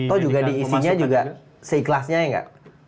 oh juga diisinya juga seikhlasnya ya gak